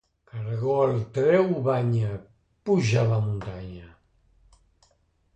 Cargol treu banya, puja a la muntanya